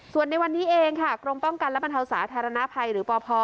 ส่วนในวันนี้เองค่ะกรมป้องกันและบรรเทาสาธารณภัยหรือปพ